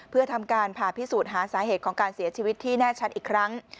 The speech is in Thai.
เพื่อทำการผ่าพิสูจน์หาสาเหตุของการเสียชีวิตที่แน่ชัดอีกครั้ง